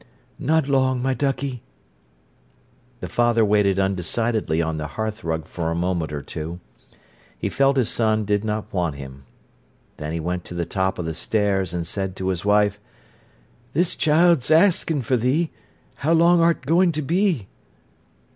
"Not long, my duckie." The father waited undecidedly on the hearthrug for a moment or two. He felt his son did not want him. Then he went to the top of the stairs and said to his wife: "This childt's axin' for thee; how long art goin' to be?"